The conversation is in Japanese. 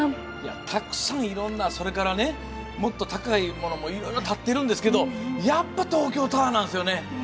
たくさんいろんなそれからねもっと高いものもいろいろ建っているんですけどやっぱ東京タワーなんですよね。